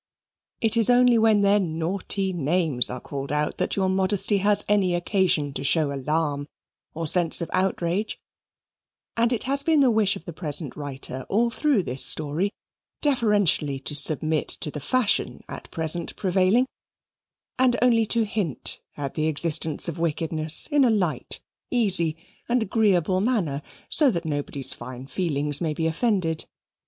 It is only when their naughty names are called out that your modesty has any occasion to show alarm or sense of outrage, and it has been the wish of the present writer, all through this story, deferentially to submit to the fashion at present prevailing, and only to hint at the existence of wickedness in a light, easy, and agreeable manner, so that nobody's fine feelings may be offended.